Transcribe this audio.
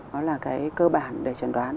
đó là cái cơ bản để chẩn đoán